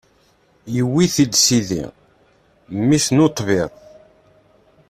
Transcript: Yewwi-tt-id Sidi, mmi-s n utbir.